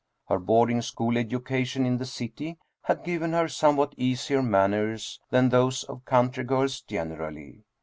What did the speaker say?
Her boarding school edu cation in the city had given her somewhat easier manners than those of country girls generally.